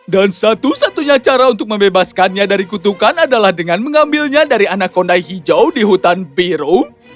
dan satu satunya cara untuk membebaskannya dari kutukan adalah dengan mengambilnya dari anak kondai hijau di hutan biru